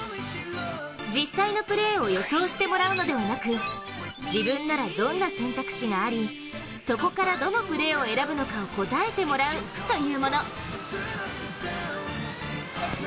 実際のプレーを予想してもらうのではなく、自分なら、どんな選択肢がありそこからどのプレーを選ぶのかを答えてもらうというもの。